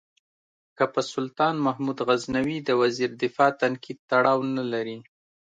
که په سلطان محمود غزنوي د وزیر دفاع تنقید تړاو نه لري.